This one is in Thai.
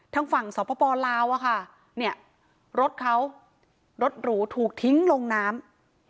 ทางฝั่งสปลาวอะค่ะเนี่ยรถเขารถหรูถูกทิ้งลงน้ำ